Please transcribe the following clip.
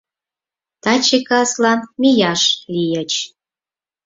Таче каслан мияш лийыч: